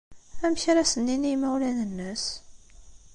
Amek ara asen-nini i yimawlan-nnes?